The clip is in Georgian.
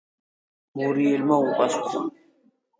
მორიელმა უპასუხა: